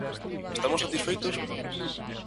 ¿Estamos satisfeitos?